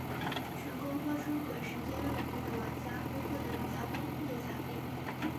成功脱出鬼时间领域的玩家会获得比较丰厚的奖励。